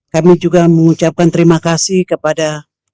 kami juga mengucapkan terima kasih kepada